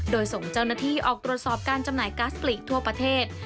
โดยส่งเจ้าหน้าที่ออกตรวจสอบการจำหน่ายก๊าซหลีกทั่วประเทศ